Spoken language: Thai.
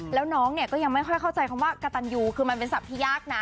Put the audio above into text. แล้วน้องเนี่ยก็ยังไม่ค่อยเข้าใจคำว่ากระตันยูคือมันเป็นศัพท์ที่ยากนะ